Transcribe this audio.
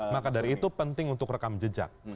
maka dari itu penting untuk rekam jejak